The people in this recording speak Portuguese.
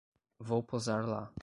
Vou pousar lá